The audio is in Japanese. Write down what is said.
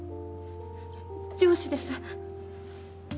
上司です。